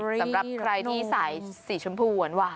สำหรับใครที่ใส่สีชมพูหวานหวาน